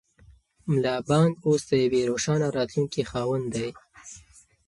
ملا بانګ اوس د یوې روښانه راتلونکې خاوند دی.